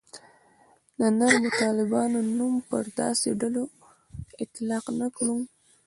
د نرمو طالبانو نوم پر داسې ډلو اطلاق نه کړو.